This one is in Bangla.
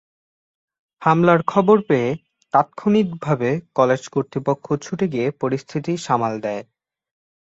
হামলার খবর পেয়ে তাৎক্ষণিকভাবে কলেজ কর্তৃপক্ষ ছুটে গিয়ে পরিস্থিতি সামাল দেয়।